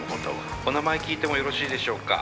お名前聞いてもよろしいでしょうか？